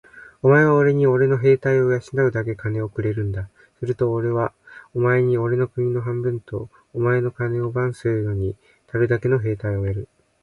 お前はおれにおれの兵隊を養うだけ金をくれるんだ。するとおれはお前におれの国を半分と、お前の金を番するのにたるだけの兵隊をやる。